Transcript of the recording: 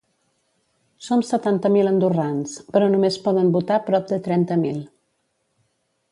Som setanta mil andorrans però només poden votar prop de trenta mil.